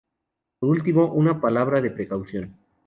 Por último, una palabra de precaución.